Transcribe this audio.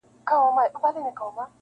د بې پته مرګ په خوله کي به یې شپه وي -